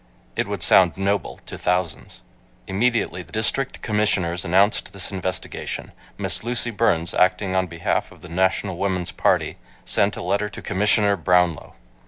It would sound "noble" to thousands. Immediately the District Commissioners announced this investigation, Miss Lucy Burns, acting on behalf of the National Woman's Party, sent a letter to Commissioner Brownlow.